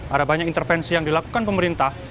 ada banyak intervensi yang dilakukan pemerintah